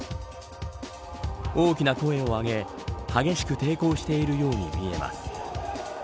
大きな声を上げ激しく抵抗しているように見えます。